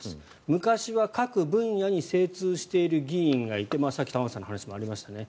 昔は各分野に精通している議員がいてさっき、玉川さんの話にもありましたね。